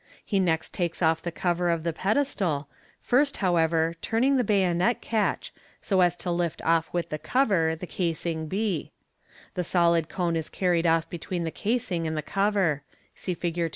He next takes off the cover of the pe destal, first, however, turning the bayonet catch, so as to lift off with the cover the casing b* The solid cone is carried off between the casing and the cover (see Fig.